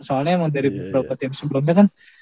soalnya emang dari beberapa tim sebelumnya kan